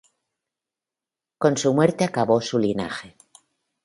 Con su muerte acabó su linaje.